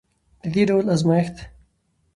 د دې ډول ازمیښت